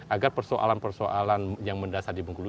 agar persoalan persoalan yang mendasar di bung kulu